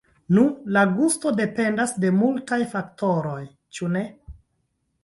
Nu, la gusto dependas de multaj faktoroj, ĉu ne?